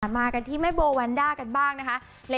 มากันที่แม่โบแวนด้ากันบ้างนะคะ